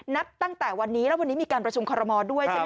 นับตั้งแต่วันนี้แล้ววันนี้มีการประชุมคอรมอลด้วยใช่ไหมค